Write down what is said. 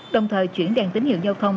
đồng thời chuyển đoàn tín hiệu giao thông